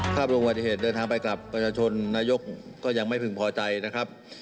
ข้ามลงวันที่เห็นเดินทางไปกลับประชาชนนายกก็ยังไม่พึ่งพอใจนะครับ